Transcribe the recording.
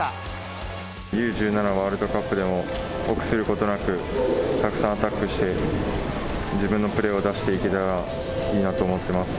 ワールドカップでも臆することなく、たくさんアタックして、自分のプレーを出していけたらいいなと思ってます。